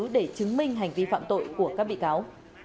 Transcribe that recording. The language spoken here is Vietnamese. để chứng minh hành vi phạm tội của các bị cáo